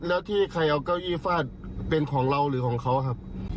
แล้วที่ใครเอาเก้าอี้ฟาดเป็นของเราหรือของเขาครับ